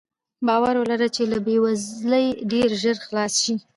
باور ولره چې له بې وزلۍ ډېر ژر خلاص شې.